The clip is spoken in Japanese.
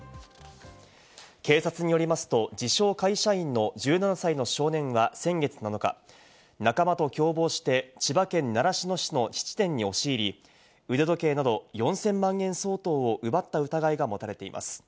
警察によりますと、自称・会社員の１７歳の少年は先月７日、仲間と共謀して千葉県習志野市の質店に押し入り、腕時計など４０００万円相当を奪った疑いが持たれています。